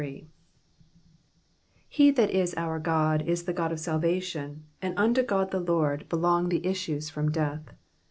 20 He tltat is our God is the God of salvation ; and unto GOD the Lord belong the issues from death.